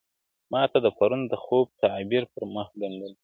o ما تاته د پرون د خوب تعبير پر مخ گنډلی.